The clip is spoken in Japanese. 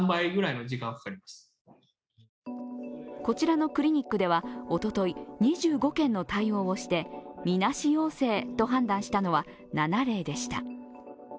こちらのクリニックではおととい、２５件の対応をしてみなし陽性と判断したのは７例でした。